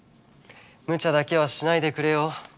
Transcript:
むちゃだけはしないでくれよ？